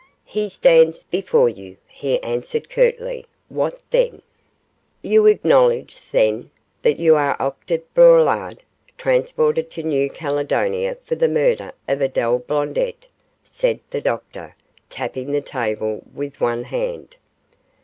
'He stands before you,' he answered, curtly, 'what then?' 'You acknowledge, then, that you are Octave Braulard, transported to New Caledonia for the murder of Adele Blondet?' said the Doctor tapping the table with one hand.